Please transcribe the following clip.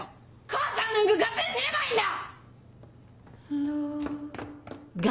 母さんなんか勝手に死ねばいいんだ‼